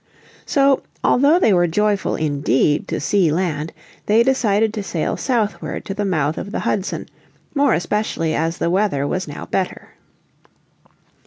So although they were joyful indeed to see land, they decided to sail southward to the mouth of the Hudson, more especially as the weather was now better.